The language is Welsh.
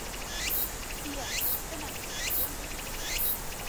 Ie, dyna'r cwestiwn!